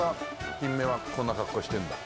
キンメはこんな格好してるんだ。